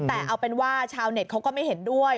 แต่เอาเป็นว่าชาวเน็ตเขาก็ไม่เห็นด้วย